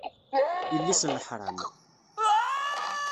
Yelli-s n leḥṛam!